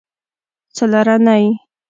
څلرنۍ